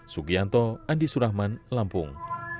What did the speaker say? sugianto andi surahman lampung